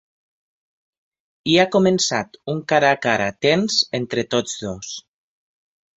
I ha començat un cara a cara tens entre tots dos.